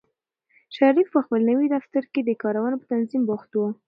شریف په خپل نوي دفتر کې د کارونو په تنظیم بوخت و.